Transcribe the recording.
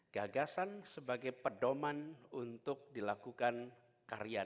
gagasan sebagai pedoman untuk dilakukan karya